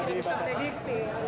ini untuk prediksi